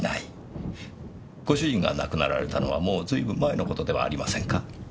ご主人が亡くなられたのはもう随分前の事ではありませんか？